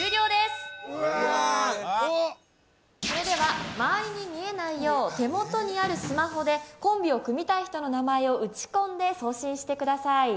おっそれでは周りに見えないよう手元にあるスマホでコンビを組みたい人の名前を打ち込んで送信してください